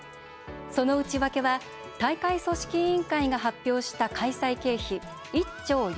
その内訳は大会組織委員会が発表した開催経費